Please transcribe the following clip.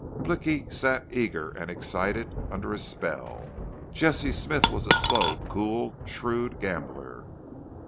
Blicky sat eager and excited, under a spell. Jesse Smith was a slow, cool, shrewed gambler.